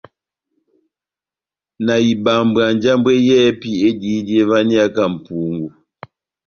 Na ibambwa njambwɛ yɛ́hɛ́pi ediyidi evaniyaka mʼpungú.